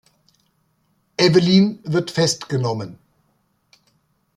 Evelyn wird festgenommen.